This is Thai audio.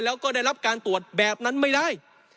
แล้วก็ได้รับการตรวจแบบนั้นไม่ได้